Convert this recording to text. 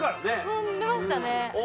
跳んでましたね。